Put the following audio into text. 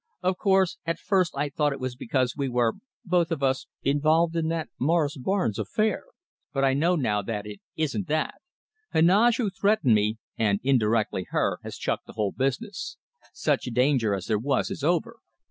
Of course, at first I thought it was because we were, both of us, involved in that Morris Barnes affair. But I know now that it isn't that. Heneage, who threatened me, and indirectly her, has chucked the whole business. Such danger as there was is over.